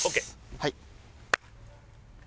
はい。